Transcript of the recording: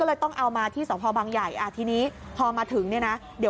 แล้วหลังจากนี้จะจบไหมหลังจากนี้จะจบไหมผมขอไปก่อนพี่